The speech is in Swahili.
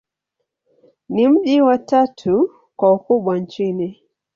Ni mji wa tatu kwa ukubwa nchini.